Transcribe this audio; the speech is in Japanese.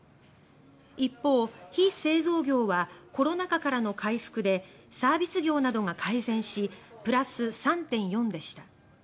一方、非製造業はコロナ禍からの回復でサービス業などが改善しプラス３．４でした。